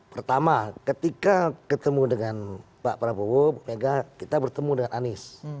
pertama ketika ketemu dengan pak prabowo kita bertemu dengan anies